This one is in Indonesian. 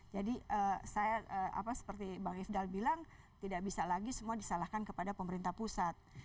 jadi saya seperti bang ifdal bilang tidak bisa lagi semua disalahkan kepada pemerintah pusat